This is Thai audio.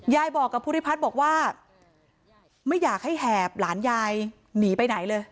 บอกกับภูริพัฒน์บอกว่าไม่อยากให้แหบหลานยายหนีไปไหนเลย